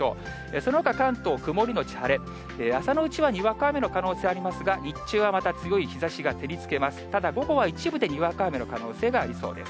そのほか、関東、曇り後晴れ、朝のうちはにわか雨の可能性ありますが、日中はまた強い日ざしが照りつけます。